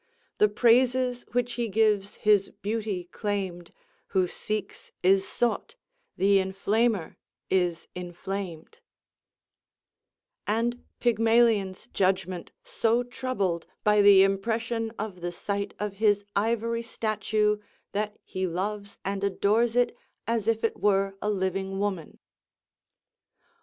The praises which he gives his beauty claim'd, Who seeks is sought, th' inflamer is inflam'd:" and Pygmalion's judgment so troubled by the impression of the sight of his ivory statue that he loves and adores it as if it were a living woman!